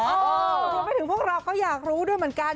รวมไปถึงพวกเราก็อยากรู้ด้วยเหมือนกัน